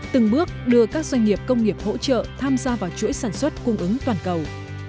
từng bước đưa các doanh nghiệp công nghiệp hỗ trợ tham gia vào chuỗi sản xuất cung ứng toàn cầu